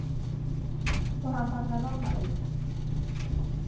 個客發哂狼戾